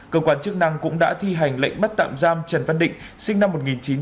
cơ quan chức năng cũng đã thi hành lệnh bắt tạm giam trần văn định sinh năm một nghìn chín trăm tám mươi